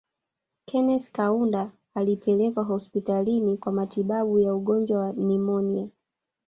Kenneth Kaunda alipelekwa hospitalini kwa matibabu ya ugonjwa wa nimonia